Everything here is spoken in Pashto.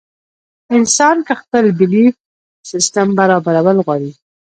انسان کۀ خپل بيليف سسټم برابرول غواړي